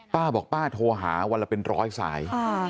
ป้าบอกป้าโทรหาวันละเป็นร้อยสาย